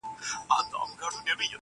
ته ټيک هغه یې خو اروا دي آتشي چیري ده,